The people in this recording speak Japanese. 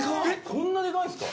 こんなでかいんすか？